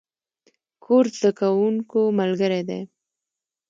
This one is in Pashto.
کورس د زده کوونکو ملګری دی.